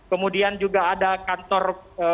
kemudian juga ada kantor